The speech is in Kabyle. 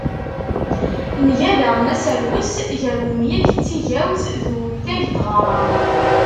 Nga daɣen aserwes gar umyag n tigawt, d umtag n tɣara.